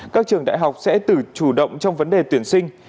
các trường đại học sẽ tự chủ động trong vấn đề tuyển sinh